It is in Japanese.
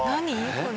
これ。